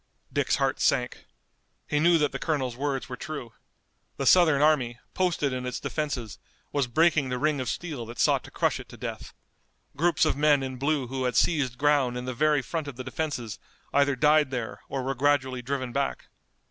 Dick's heart sank. He knew that the colonel's words were true. The Southern army, posted in its defenses, was breaking the ring of steel that sought to crush it to death. Groups of men in blue who had seized ground in the very front of the defenses either died there or were gradually driven back.